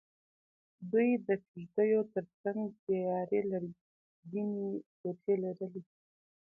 دوی د کېږدیو تر څنګ سیارې لرګینې کوټې لرلې.